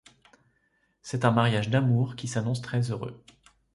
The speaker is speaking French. C’est un mariage d’amour, qui s’annonce très heureux.